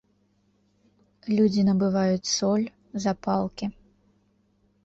Людзі набываюць соль, запалкі.